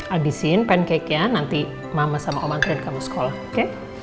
abisin pancake nya nanti mama sama om kren kamu sekolah oke